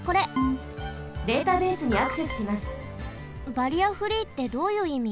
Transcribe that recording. バリアフリーってどういういみ？